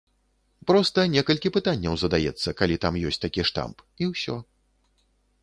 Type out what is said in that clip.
Проста некалькі пытанняў задаецца, калі там ёсць такі штамп, і ўсё.